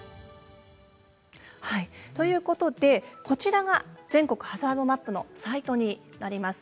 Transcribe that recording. こちらが全国ハザードマップのサイトになります。